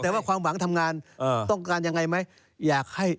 แต่ว่าความหวังทำงานต้องการอย่างไรไหม